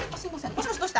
もしもしどうした？